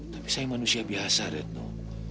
tapi saya manusia biasa retno